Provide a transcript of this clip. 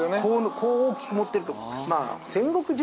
こう大きく持ってるとまあ。